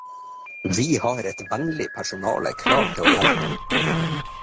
Vi har et vennlig personale klar til å hjelpe.